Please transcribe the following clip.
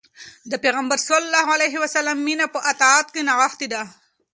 د پيغمبر ﷺ مینه په اطاعت کې نغښتې ده.